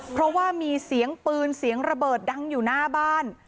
เพราะว่ามีเสียงปืนเสียงระเบิดดังอยู่หน้าบ้าน